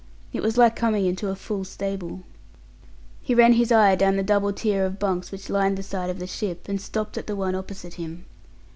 It was like coming into a full stable. He ran his eye down the double tier of bunks which lined the side of the ship, and stopped at the one opposite him.